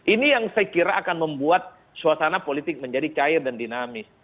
ini yang saya kira akan membuat suasana politik menjadi cair dan dinamis